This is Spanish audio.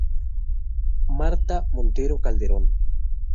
Marta Montero Calderón.